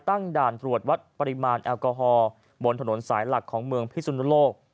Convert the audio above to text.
ด่านตรวจวัดปริมาณแอลกอฮอล์บนถนนสายหลักของเมืองพิสุนโลก